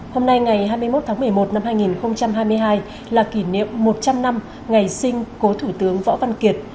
hôm nay ngày hai mươi một tháng một mươi một năm hai nghìn hai mươi hai là kỷ niệm một trăm linh năm ngày sinh cố thủ tướng võ văn kiệt